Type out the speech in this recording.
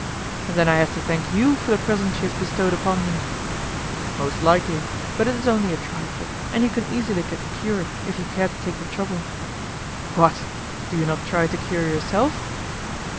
"Then I have to thank you for the present she has bestowed upon me." "Most likely; but it is only a trifle, and you can easily get cured if you care to take the trouble." "What! Do you not try to cure yourself?"